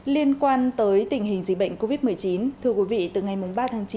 liên quan tới tình hình dịch bệnh covid một mươi chín thưa quý vị từ ngày ba tháng chín